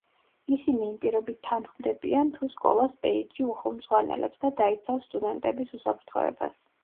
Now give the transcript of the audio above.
ისინი იმ პირობით თანხმდებიან თუ სკოლას პეიჯი უხელმძღვანელებს და დაიცავს სტუდენტების უსაფრთხოებას.